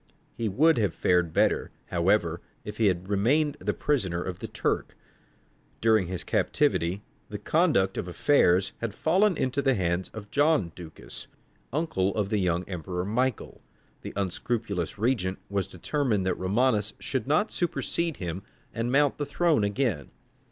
He would have fared better, however, if he had remained the prisoner of the Turk. During his captivity the conduct of affairs had fallen into the hands of John Ducas, uncle of the young emperor Michael. The unscrupulous regent was determined that Romanus should not supersede him and mount the throne again.